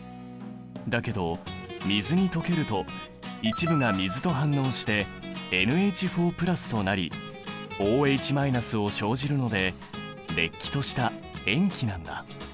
だけど水に溶けると一部が水と反応してＮＨとなりＯＨを生じるのでれっきとした塩基なんだ。